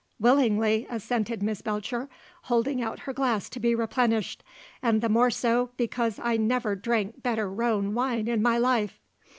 "Willingly!" assented Miss Belcher, holding out her glass to be replenished; "and the more so because I never drank better Rhone wine in my life."